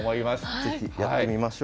ぜひやってみましょう。